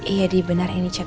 iya di benar ini chat